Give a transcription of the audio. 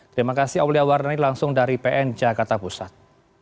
terima kasih aulia wardani langsung dari pn jakarta pusat